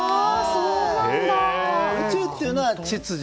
宇宙というのは秩序。